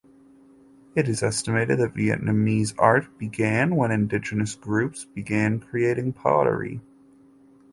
It is estimated that Vietnamese art began when indigenous groups began creating pottery.